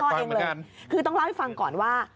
ฟังเสียงหลงพ่อเองเลยคือต้องเล่าให้ฟังก่อนว่า